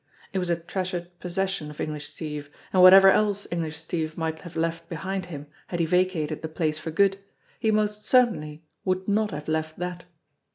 It was a treasured possession of English Steve, and whatever else English Steve might have left be hind him had he vacated the place for good, he most cer tainly would not have left that.